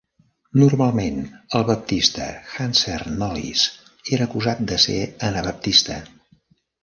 Normalment, el baptista Hanserd Knollys era acusat de ser anabaptista.